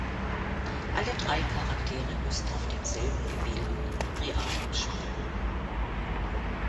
Alle drei Charaktere müssen auf demselben gewählten Realm spielen.